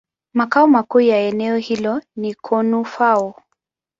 Makao makuu ya eneo hilo ni Koun-Fao.